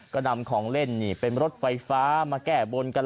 ก็นำของเล่นนี่เป็นรถไฟฟ้ามาแก้บนกัน